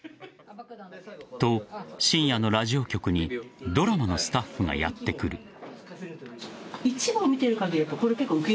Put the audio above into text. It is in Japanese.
と、深夜のラジオ局にドラマのスタッフがやってくる。